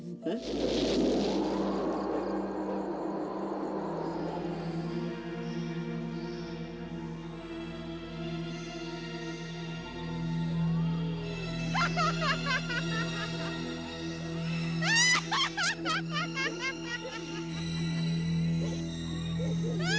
sampai jumpa di video selanjutnya